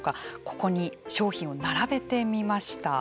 ここに商品を並べてみました。